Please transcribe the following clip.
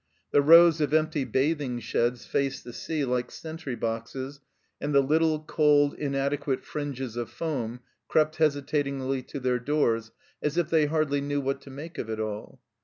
The rows of empty bathing sheds faced the sea like sentry boxes, and the little, cold, inadequate fringes of foam crept hesitatingly to their doors as if they hardly knew what to make of it all.